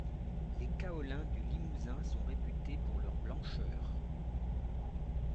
Les kaolins du Limousin sont réputés pour leur blancheur.